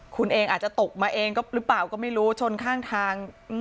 คุณเองอาจจะตกมาเองหรือเปล่าก็ไม่รู้ชนข้างทาง